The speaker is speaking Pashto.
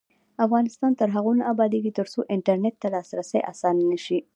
افغانستان تر هغو نه ابادیږي، ترڅو انټرنیټ ته لاسرسی اسانه نشي.